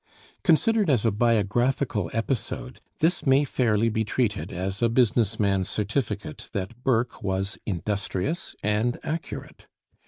Considered as a biographical episode, this may fairly be treated as a business man's certificate that Burke was industrious and accurate.